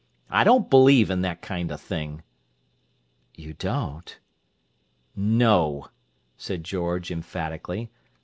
I don't believe in that kind of thing." "You don't?" "No," said George emphatically.